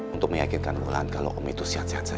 untuk meyakinkan wulan kalau om itu sihat sihat saja